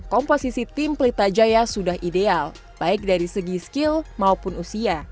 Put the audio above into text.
komposisi tim pelita jaya sudah ideal baik dari segi skill maupun usia